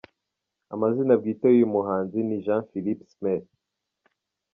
Amazina bwite y’ uyu muhanzi ni Jean-Philippe Smet.